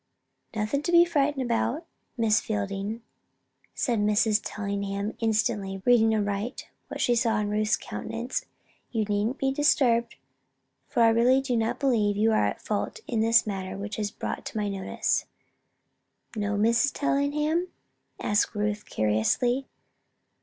"Nothing to be frightened about, Miss Fielding," said Mrs. Tellingham, instantly reading aright what she saw in Ruth's countenance. "You need not be disturbed. For I really do not believe you are at fault in this matter which has been brought to my notice." "No, Mrs. Tellingham?" asked Ruth, curiously.